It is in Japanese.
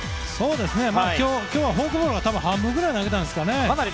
今日はフォークボールは半分ぐらい投げたんですかね。